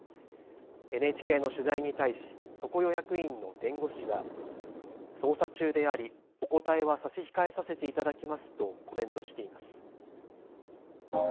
ＮＨＫの取材に対し常世役員の弁護士は捜査中であり、お答えは差し控えさせていただきますとコメントしています。